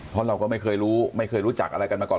เพราะเราก็ไม่เคยรู้ไม่เคยรู้จักอะไรกันมาก่อน